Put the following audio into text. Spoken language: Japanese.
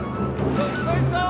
どっこいしょー